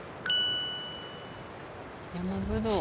山ぶどう。